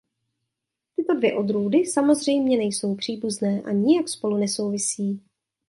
Tyto dvě odrůdy samozřejmě nejsou příbuzné a nijak spolu nesouvisí.